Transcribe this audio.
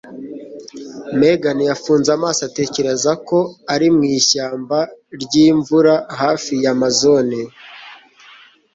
Megan yafunze amaso atekereza ko ari mu ishyamba ryimvura hafi ya Amazone.